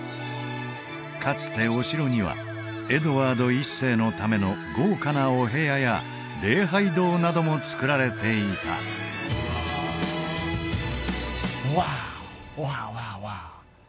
かつてお城にはエドワード１世のための豪華なお部屋や礼拝堂などもつくられていたワーオワオワオワオ